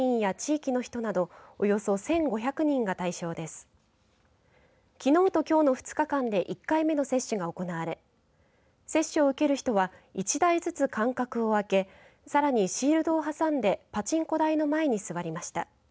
きのうときょうの２日間で１回目の接種が行われ接種を受ける人は１台ずつ間隔を空けさらに、シールドを挟んでパチンコ台の前に座りました。